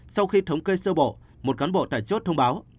sau khi thống kê sơ bộ một cán bộ tại chốt thông báo